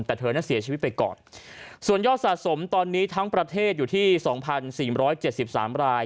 แต่เธอนั้นเสียชีวิตไปก่อนส่วนยอดสะสมตอนนี้ทั้งประเทศอยู่ที่๒๔๗๓ราย